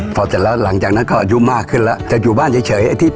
พอเสร็จแล้วหลังจากนั้นก็อายุมากขึ้นแล้วจะอยู่บ้านเฉย